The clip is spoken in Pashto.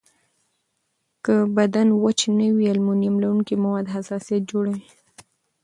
که بدن وچ نه وي، المونیم لرونکي مواد حساسیت جوړوي.